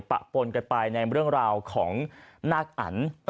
ปะปนกันไปในเรื่องราวของนาคอัน